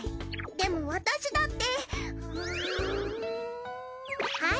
でも私だってうん。